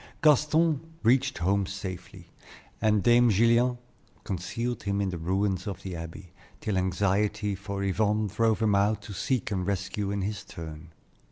Gaston reached home safely, and Dame Gillian concealed him in the ruins of the Abbey, till anxiety for Yvonne drove him out to seek and rescue in his turn.